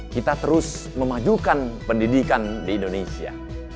kita terus memajukan pendidikan di indonesia